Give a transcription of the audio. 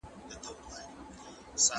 لباس بايد د ليدونکو پام وا نه وړي؟